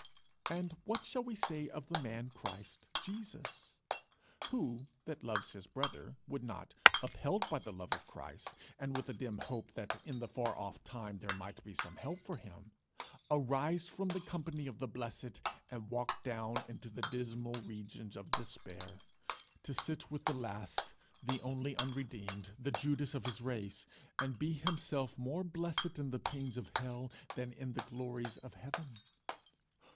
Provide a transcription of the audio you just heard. And what shall we say of the man Christ Jesus? Who, that loves his brother, would not, upheld by the love of Christ, and with a dim hope that in the far off time there might be some help for him, arise from the company of the blessed, and walk down into the dismal regions of despair, to sit with the last, the only unredeemed, the Judas of his race, and be himself more blessed in the pains of hell, than in the glories of heaven?